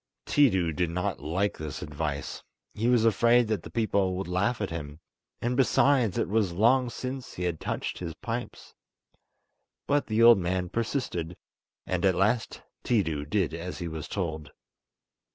Tiidu did not like this advice—he was afraid that the people would laugh at him; and, besides, it was long since he had touched his pipes—but the old man persisted, and at last Tiidu did as he was told.